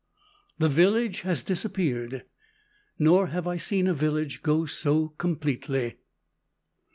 The village has disappeared, nor have I seen a village go so completely.